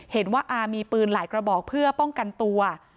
เห็นว่าอาร์มีปืนหลายกระบอกเพื่อป้องกันตัว